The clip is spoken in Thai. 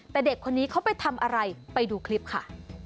แต่เด็กคนนี้เขาไปทำอะไรไปดูคลิปค่ะ